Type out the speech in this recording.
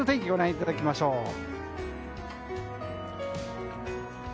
ご覧いただきましょう。